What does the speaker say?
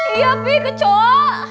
iya pih kecoa